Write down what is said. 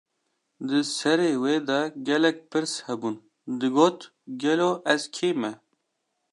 Di serê wî de gelek pirs hebûn, digot: Gelo, ez kî me?